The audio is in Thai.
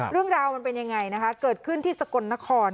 เรื่องราวมันเป็นยังไงนะคะเกิดขึ้นที่สกลนคร